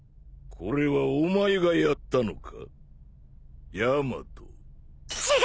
これはお前がやったのか？